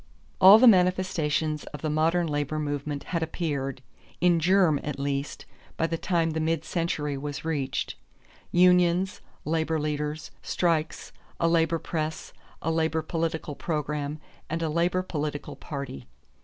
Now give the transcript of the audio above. All the manifestations of the modern labor movement had appeared, in germ at least, by the time the mid century was reached: unions, labor leaders, strikes, a labor press, a labor political program, and a labor political party.